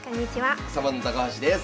サバンナ高橋です。